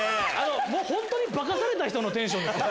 本当に化かされた人のテンションですよ。